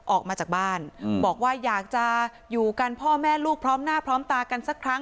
ออกมาจากบ้านบอกว่าอยากจะอยู่กันพ่อแม่ลูกพร้อมหน้าพร้อมตากันสักครั้ง